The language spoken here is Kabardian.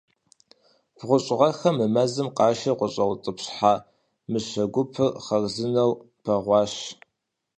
БгъущӀ гъэхэм мы мэзым къашэу къыщӏаутӏыпщхьа мыщэ гупыр хъарзынэу бэгъуащ.